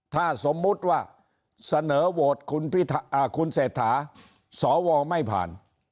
ถ้าสมมุติว่าเสนอโหวตคุณพิธาคุณเศรษฐามรี่